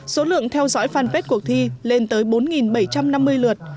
số lượng theo dõi fanpage cuộc thi lên tới bốn bảy trăm năm mươi lượt